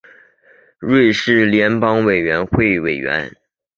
瑞士联邦委员会委员。